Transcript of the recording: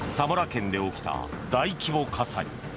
県で起きた大規模火災。